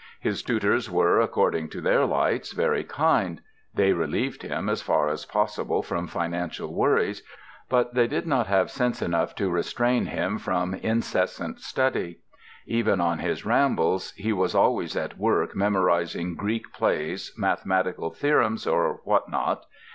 His tutors were, according to their lights, very kind; they relieved him as far as possible from financial worries, but they did not have sense enough to restrain him from incessant study. Even on his rambles he was always at work memorizing Greek plays, mathematical theorems, or what not.